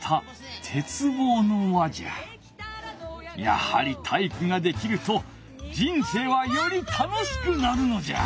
やはり体育ができると人生はより楽しくなるのじゃ！